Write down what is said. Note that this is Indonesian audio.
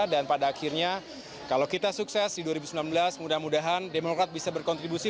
dan pada akhirnya kalau kita sukses di dua ribu sembilan belas mudah mudahan demokrat bisa berkontribusi